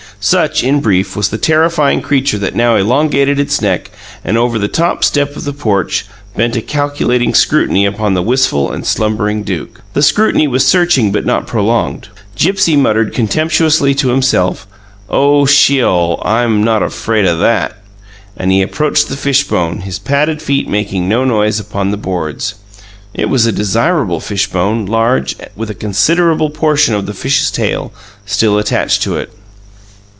Such, in brief, was the terrifying creature that now elongated its neck, and, over the top step of the porch, bent a calculating scrutiny upon the wistful and slumberous Duke. The scrutiny was searching but not prolonged. Gipsy muttered contemptuously to himself, "Oh, sheol; I'm not afraid o' THAT!" And he approached the fishbone, his padded feet making no noise upon the boards. It was a desirable fishbone, large, with a considerable portion of the fish's tail still attached to it.